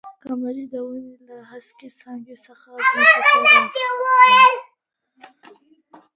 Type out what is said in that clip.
قمري د ونې له هسکې څانګې څخه ځمکې ته راغله.